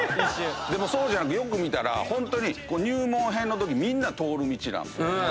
でもそうじゃなくよく見たらホントに入門編のときみんな通る道なんですよ。